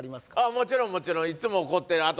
もちろんもちろんいっつも怒ってあと